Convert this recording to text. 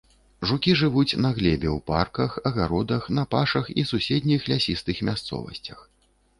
Жукі жывуць на глебе ў парках, агародах, на пашах і суседніх лясістых мясцовасцях.